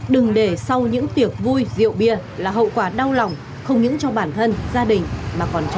đừng để sau những tiệc vui rượu bia là hậu quả đau lòng không những cho bản thân gia đình mà còn cho trẻ